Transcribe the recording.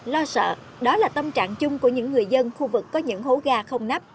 lo sợ đó là tâm trạng chung của những người dân khu vực có những hố ga không nắp